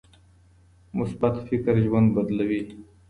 مثبت فکر ژوند بدلوي.